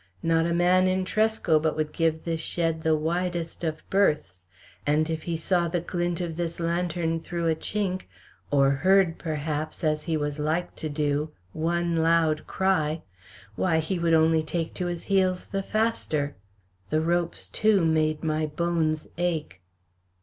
Not a man in Tresco but would give this shed the widest of berths, and if he saw the glint of this lantern through a chink, or heard, perhaps, as he was like to do, one loud cry why, he would only take to his heels the faster. The ropes, too, made my bones ache.